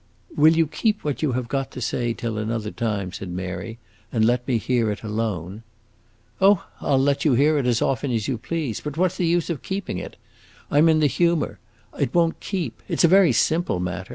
"Will you keep what you have got to say till another time," said Mary, "and let me hear it alone?" "Oh, I 'll let you hear it as often as you please; but what 's the use of keeping it? I 'm in the humor; it won't keep! It 's a very simple matter.